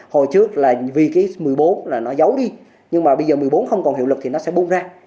hồi trước vì một mươi bốn nó giấu đi nhưng bây giờ một mươi bốn không còn hiệu lực thì nó sẽ buông ra